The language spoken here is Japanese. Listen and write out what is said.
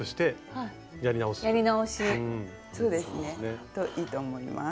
そうですね。といいと思います。